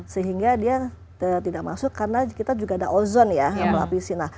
sehingga dia tidak masuk karena kita juga ada ozon ya yang melapisi